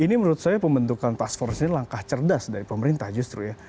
ini menurut saya pembentukan task force ini langkah cerdas dari pemerintah justru ya